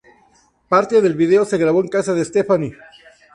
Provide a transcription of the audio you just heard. Parte del vídeo se grabó en casa de Stefani.